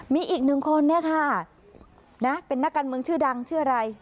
มีอีก๑คนเป็นนักการเมืองชื่อดังชื่ออะไร